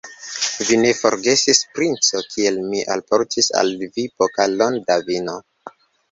Vi ne forgesis, princo, kiel mi alportis al vi pokalon da vino.